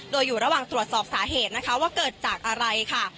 โดยอยู่ระหว่างตรวจสอบสาเหตุนะคะว่าเกิดจากอะไรค่ะ